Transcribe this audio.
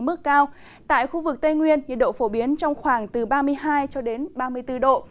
mức cao tại khu vực tây nguyên nhiệt độ phổ biến trong khoảng từ ba mươi hai cho đến ba mươi bốn độ